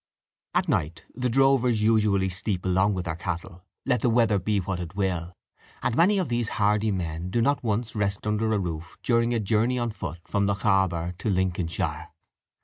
At night, the drovers usually sleep along with their cattle, let the weather be what it will; and many of these hardy men do not once rest under a roof during a journey on foot from Lochaber to Lincolnshire.